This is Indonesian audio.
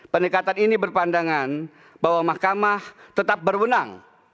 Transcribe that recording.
pendekatan ini berpandangan bahwa mahkamah tetap berwenang